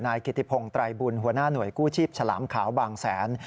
กิติพงศ์ไตรบุญหัวหน้าหน่วยกู้ชีพฉลามขาวบางแสน